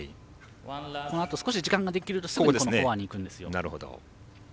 このあと少し時間ができるとすぐフォアにいくんですよ。